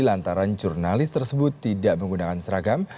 lantaran jurnalis tersebut tidak menggunakan seragam